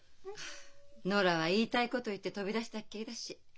ああノラは言いたいこと言って飛び出したっきりだし。